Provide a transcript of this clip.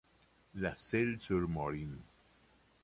La Celle-sur-Morin